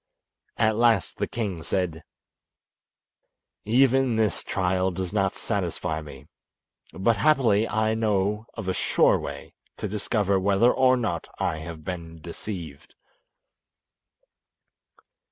At last the king said: "Even this trial does not satisfy me; but happily I know of a sure way to discover whether or not I have been deceived."